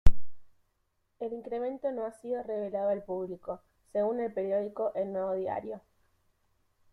El incremento no ha sido revelado al público, según el periódico El Nuevo Diario.